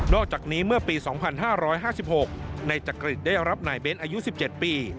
อกจากนี้เมื่อปี๒๕๕๖นายจักริตได้รับนายเบ้นอายุ๑๗ปี